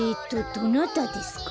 どなたですか？